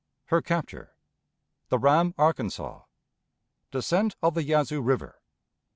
Her Capture. The Ram Arkansas. Descent of the Yazoo River.